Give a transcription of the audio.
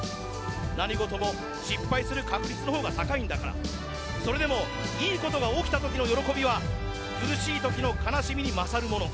何事も失敗する確率のほうが高いんだからそれでもいいことが起きた時の喜びは苦しい時の悲しみに勝るもの。